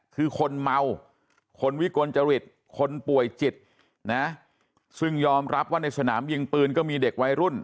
คือคนเมาคนวิกลจริตคนป่วยจิตนะซึ่งยอมรับว่าในสนามยิงปืนก็มีเด็กวัยรุ่น